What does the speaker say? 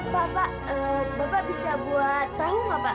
bapak bapak bisa buat perahu gak pak